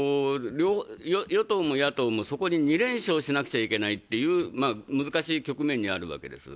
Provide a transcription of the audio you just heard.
与党も野党もそこに２連勝しなくちゃいけないという難しい局面にあるわけです。